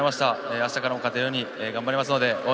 あしたからも勝てるように頑張りますので応援